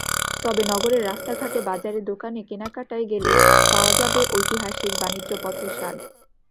তবে নগরের রাস্তাঘাটে, বাজারে, দোকানে কেনাকাটায় গেলে পাওয়া যাবে ঐতিহাসিক বাণিজ্যপথের স্বাদ।